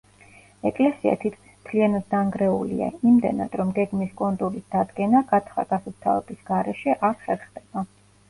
ეკლესია თითქმის მთლიანად დანგრეულია, იმდენად, რომ გეგმის კონტურის დადგენა, გათხრა-გასუფთავების გარეშე, არ ხერხდება.